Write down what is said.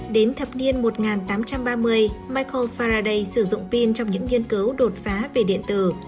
đến thập niên một nghìn tám trăm ba mươi micro faraday sử dụng pin trong những nghiên cứu đột phá về điện tử